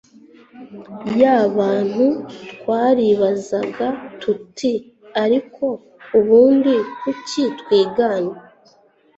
y abantu twaribazaga tuti ariko ubundi kuki twigana